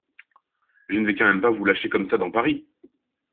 Je ne vais quand même pas vous lâcher comme ça dans Paris !